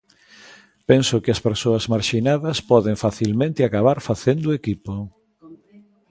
Penso que as persoas marxinadas poden facilmente acabar facendo equipo.